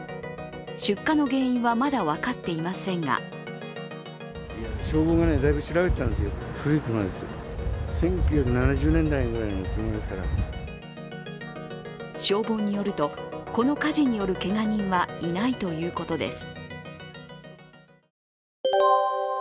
出火の原因はまだ分かっていませんが消防によるとこの火事によるけが人はいないということです。